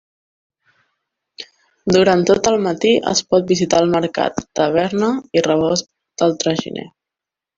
Durant tot el matí es pot visitar el mercat, taverna i rebost del traginer.